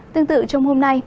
tương tự trong hôm nay